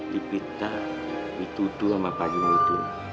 dipita dituduh sama pak haji muhyiddin